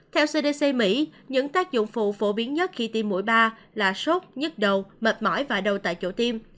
theo cdc mỹ những tác dụng phụ phổ biến nhất khi tiêm mũi ba là sốt nhức đầu mệt mỏi và đầu tại chỗ tiêm